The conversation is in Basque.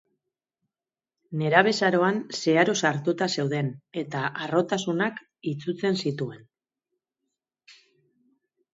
Nerabezaroan zeharo sartuta zeuden eta harrotasunak itsutzen zituen.